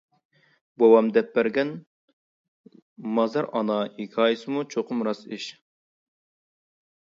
بوۋام دەپ بەرگەن «مازار ئانا» ھېكايىسىمۇ چوقۇم راست ئىش.